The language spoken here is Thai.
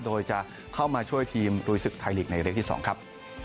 โดยจะเข้ามาช่วยทีมลุยศึกไทยลีกในเล็กที่๒ครับ